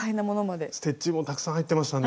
ステッチもたくさん入ってましたね。